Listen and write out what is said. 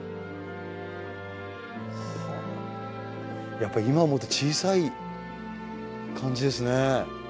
やっぱ今思うと小さい感じですね。